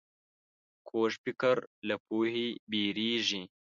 کوږ فکر له پوهې وېرېږي